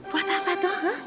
buat apa tuh